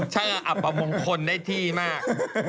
ช่างอปบำงคนได้ทีมาก